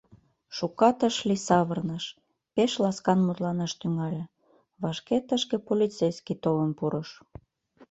Шукат ыш лий, савырныш, пеш ласкан мутланаш тӱҥале. Вашке тышке полицейский толын пурыш.